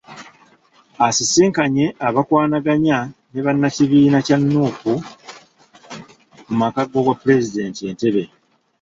Asisinkanye abakwanaganya ne bannakibiina kya Nuupu mu maka g'obwapulezidenti e Ntebe.